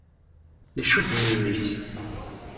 Iccud yimi-s.